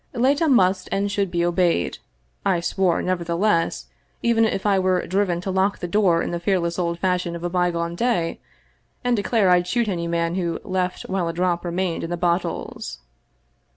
Leta must and should be obeyed, I swore, nevertheless, even if I were driven to lock the door in the fearless old fashion of a bygone day, and declare Fd shoot any man who left while a drop remained in the bottles.